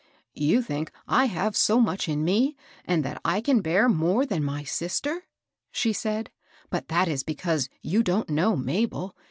^^You think I have so much in me, and that I can bear more than my sister," she said; ^^but that is because you don't know Mabel.